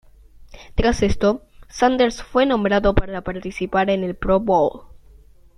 Tras esto, Sanders fue nombrado para participar en el Pro Bowl.